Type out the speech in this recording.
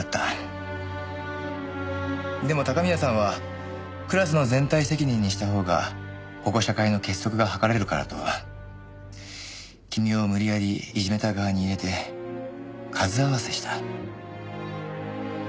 でも高宮さんはクラスの全体責任にしたほうが保護者会の結束が図れるからと君を無理やりいじめた側に入れて数合わせした。